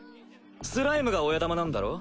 スライムが親玉なんだろ？